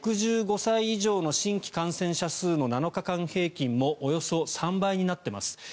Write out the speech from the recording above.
６５歳以上の新規感染者数の７日間平均もおよそ３倍になっています。